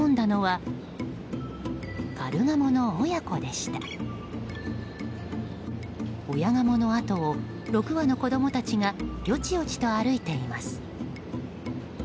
親ガモのあとを６羽の子供たちがよちよちと歩いています。